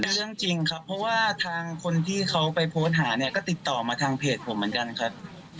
เรื่องจริงครับเพราะว่าทางคนที่เขาไปโพสต์หาเนี่ยก็ติดต่อมาทางเพจผมเหมือนกันครับ